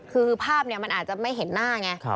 คือภาพมันอาจจะไม่เห็นหน้าไง